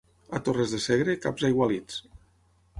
A Torres de Segre, caps aigualits.